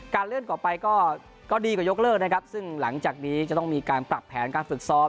เลื่อนต่อไปก็ดีกว่ายกเลิกนะครับซึ่งหลังจากนี้จะต้องมีการปรับแผนการฝึกซ้อม